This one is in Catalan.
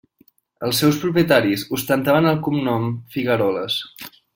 Els seus propietaris ostentaven el cognom Figueroles.